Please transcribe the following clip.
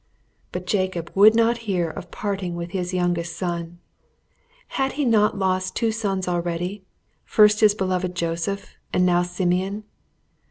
But Jacob would not hear of parting with his youngest son. Had he not lost two sons already, first his beloved Joseph, and now Simeon?